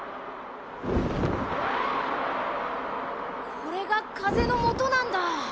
これがかぜのもとなんだ。